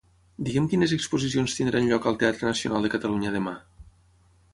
Digue'm quines exposicions tindran lloc al Teatre Nacional de Catalunya demà.